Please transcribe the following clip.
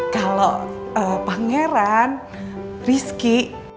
kalau pangeran rizky